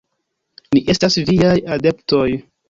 Ni estas viaj adeptoj.